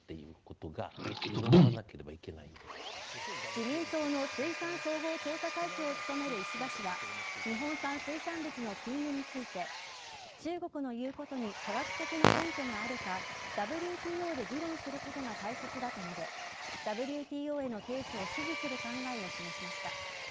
自民党の水産総合調査会長を務める石破氏は日本産水産物の禁輸について中国の言うことに科学的な根拠があるかＷＴＯで議論することが大切だと述べＷＴＯへの提訴を支持する考えを示しました。